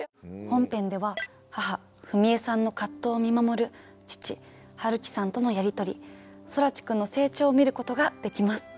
本編では母史恵さんの葛藤を見守る父晴樹さんとのやり取り空知くんの成長を見ることができます。